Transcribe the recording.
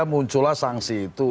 ada muncullah sanksi itu